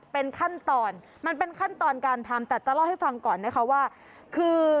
เป็นขั้นตอนการทำแต่จะเล่าให้ฟังก่อนคือ